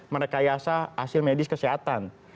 merekayasa hasil medis kesehatan